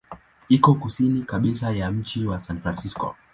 Iko kusini kabisa ya mji wa San Francisco.